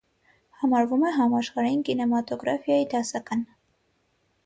Համարվում է համաշխարհային կինեմատոգրաֆիայի դասական։